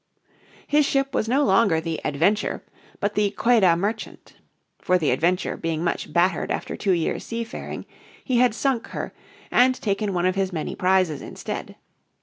His ship was no longer the Adventure but the Quedah Merchant. For the Adventure, being much battered after two years' seafaring, he had sunk her, and taken one of his many prizes instead.